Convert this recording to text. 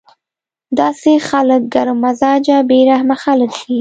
داسې خلک ګرم مزاجه بې رحمه خلک وي